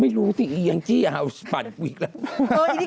ไม่รู้สิอย่างจี้อ้าวฝันกูอีกแล้ว